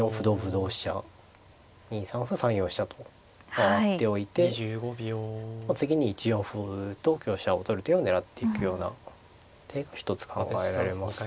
同飛車２三歩３四飛車と回っておいて次に１四歩と香車を取る手を狙っていくような手が一つ考えられますが。